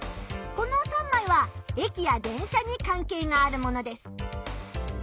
この３枚は駅や電車にかん係があるものです。